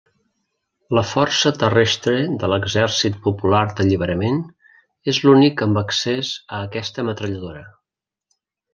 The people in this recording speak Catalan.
La Força terrestre de l'Exèrcit Popular d'Alliberament és l'únic amb accés a aquesta metralladora.